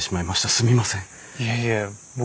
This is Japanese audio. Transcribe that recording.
すみません。